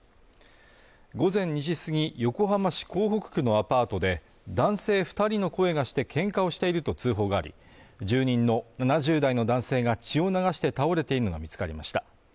午前２時過ぎ、横浜市港北区のアパートで男性２人の声がして喧嘩をしていると通報があり、住人の７０代の男性が血を流して倒れているのが見つかりました。